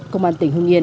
công an tỉnh hưng yên